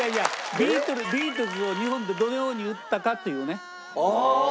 ビートルズを日本でどのように売ったかというね話。